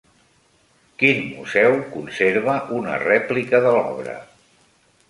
Quin museu conserva una rèplica de l'obra?